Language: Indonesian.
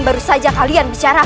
bagus kalau begitu